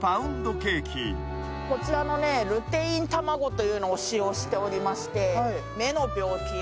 こちらのルテイン卵というのを使用しておりまして。